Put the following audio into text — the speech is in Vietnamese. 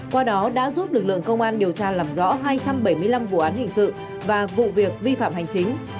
qua đó đã giúp lực lượng công an điều tra làm rõ hai trăm bảy mươi năm vụ án hình sự và vụ việc vi phạm hành chính